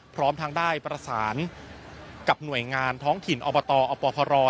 พร้อมทางได้ประสานกับหน่วยงานท้องถิ่นอบตอปคร